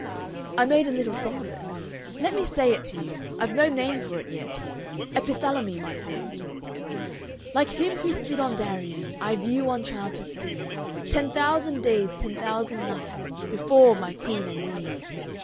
"I made a little song of it. Let me say it to you. I've no name for it yet. Epithalamy might do. "Like him who stood on Darien I view uncharted sea Ten thousand days, ten thousand nights Before my Queen and me.